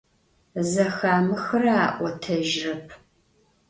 Zexamıxıre a'otejırep.